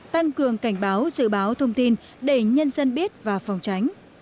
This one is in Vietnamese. tăng cường cảnh báo dự báo thông tin để nhân dân biết và phòng tránh